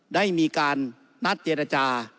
ได้มีการนัดเจรจา